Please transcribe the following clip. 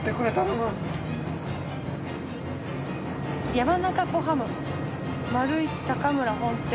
山中湖ハム丸一高村本店。